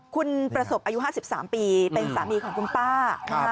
คุณประสบอายุ๕๓ปีเป็นสามีของคุณป้า